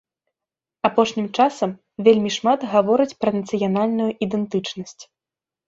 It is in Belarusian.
Апошнім часам вельмі шмат гавораць пра нацыянальную ідэнтычнасць.